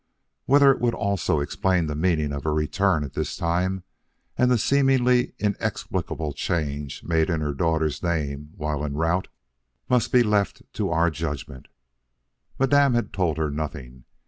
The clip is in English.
Whether it would also explain the meaning of her return at this time and the seemingly inexplicable change made in her daughter's name while en route, must be left to our judgment. Madame had told her nothing.